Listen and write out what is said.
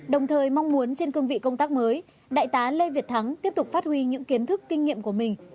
đồng thời mong muốn trên cương vị công tác mới đại tá lê việt thắng tiếp tục phát huy những kiến thức kinh nghiệm của mình